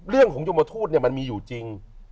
เรื่องของยมทูตเนี่ยมันมีอยู่จริง